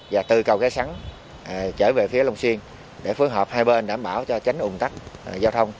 và từ cầu ghe sắn trở về phía long xuyên để phối hợp hai bên đảm bảo cho tránh ủng tắc giao thông